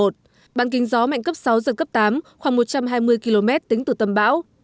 sức gió mạnh cấp sáu giật cấp tám khoảng một trăm hai mươi km tính từ tầm bão